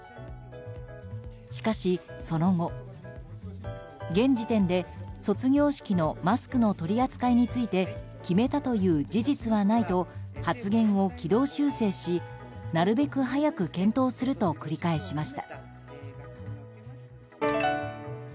しかし、その後現時点で卒業式のマスクの取り扱いについて決めたという事実はないと発言を軌道修正しなるべく早く検討すると繰り返しました。